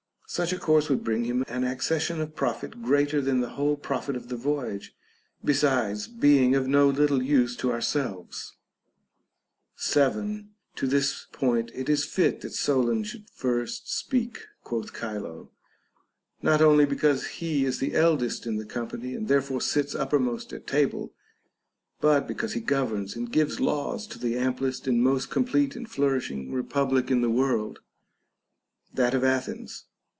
Such a course would bring him an accession of profit greater than the whole profit of the voyage, besides being of no little use to ourselves. 7. To this point it is fit that Solon should first speak, quoth Chilo, not only because he is the eldest in the com pany and therefore sits uppermost at table, but because he governs and gives laws to the amplest and most complete and flourishing republic in the world, that of Athens.